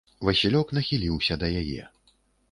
Васілёк нахіліўся да яе.